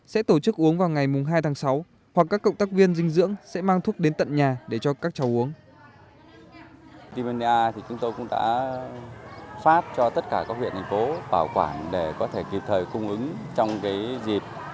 sẽ tổ chức uống vào ngày hai tháng sáu hoặc các cộng tác viên dinh dưỡng sẽ mang thuốc đến tận nhà để cho các cháu uống